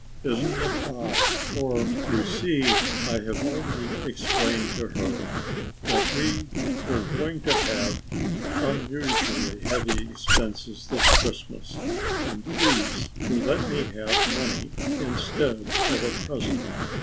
Isn't it odd, for you see I have already explained to her that we were going to have unusually heavy expenses this Christmas and please to let me have money instead of a present?